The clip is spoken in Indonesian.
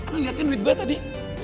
lu liat kan duit gue tadi